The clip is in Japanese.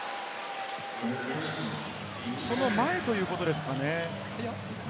その前ということですかね？